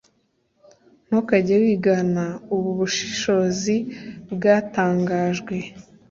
ntukajye, wigana ubu bushishozi bwatangajwe